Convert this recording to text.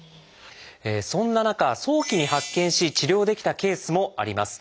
そんな中早期に発見し治療できたケースもあります。